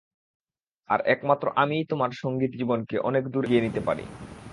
আর একমাত্র আমিই তোমার সংগীত জীবনকে অনেক দূর এগিয়ে নিতে পারি।